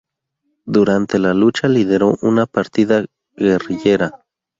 Durante la lucha lideró una partida guerrillera.